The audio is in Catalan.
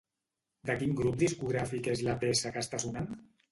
De quin grup discogràfic és la peça que està sonant?